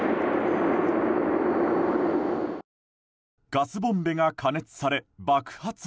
ガスボンベが加熱され、爆発。